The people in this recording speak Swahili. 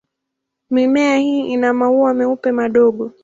Mimea hii ina maua meupe madogo.